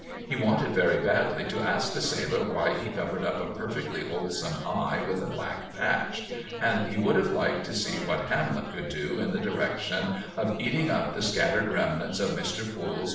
He wanted very badly to ask the sailor why he covered up a perfectly wholesome eye with a black patch, and he would have liked to see what Hamlet could do in the direction of eating up the scattered remnants of Mr. Poole's "2d."